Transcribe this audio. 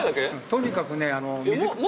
とにかくね。